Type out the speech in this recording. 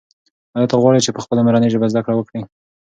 آیا ته غواړې چې په خپله مورنۍ ژبه زده کړه وکړې؟